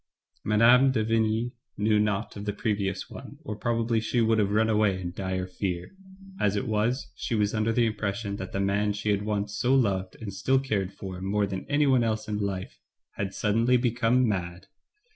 Mme. de Vigny knew naught of the previous one, or probably she would have run away in dire fear. As it was, she was under the impression that the man she had once so loved and still cared for more than anyone else in life, had suddenly become mad.